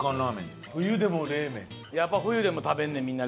やっぱり冬でも食べんねん